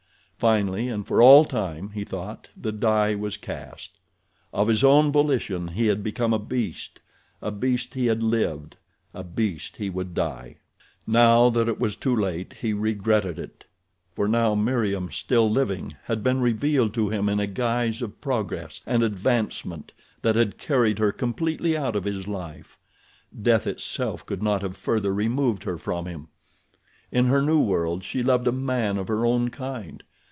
Finally and for all time, he thought, the die was cast. Of his own volition he had become a beast, a beast he had lived, a beast he would die. Now that it was too late, he regretted it. For now Meriem, still living, had been revealed to him in a guise of progress and advancement that had carried her completely out of his life. Death itself could not have further removed her from him. In her new world she loved a man of her own kind.